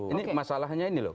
ini masalahnya ini loh